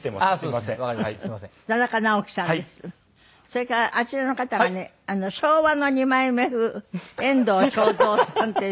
それからあちらの方がね昭和の二枚目風遠藤章造さんって。